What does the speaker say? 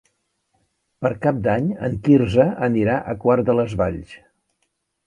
Per Cap d'Any en Quirze anirà a Quart de les Valls.